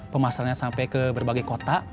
pemasarannya sampai ke berbagai kota